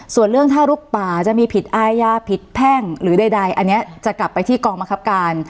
ส่วนเรื่องถ้าลุกป่าจะมีผิดอายาผิดแพ่งหรือใดอันนี้จะกลับไปที่กองบังคับการ